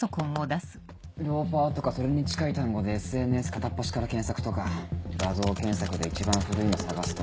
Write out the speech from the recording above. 「ローファー」とかそれに近い単語でＳＮＳ片っ端から検索とか画像検索で一番古いの探すとか。